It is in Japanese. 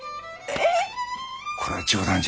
えっ。